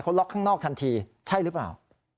เขาล็อกข้างนอกทันทีใช่หรือเปล่า